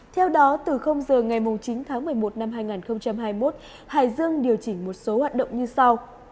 theo đó từ giờ ngày chín tháng một mươi một năm hai nghìn hai mươi một hải dương điều chỉnh một số hoạt động như sau